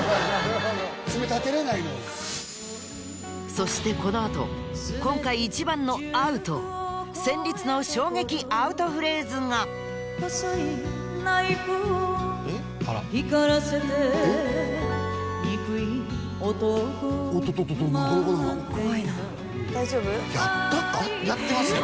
そしてこのあと今回一番のアウト戦慄の衝撃アウトフレーズが殺ってますね